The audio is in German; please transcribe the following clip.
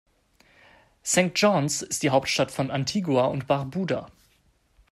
St. John’s ist die Hauptstadt von Antigua und Barbuda.